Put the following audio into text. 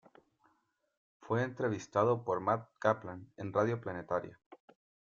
Fue entrevistado por Mat Kaplan en "Radio Planetaria"